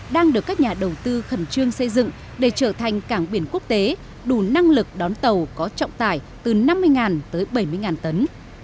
đang được các nhà đầu tư khẩn trương xây dựng để trở thành cảng biển quốc tế đủ năng lực đón tàu có trọng tải từ năm mươi tới bảy mươi tấn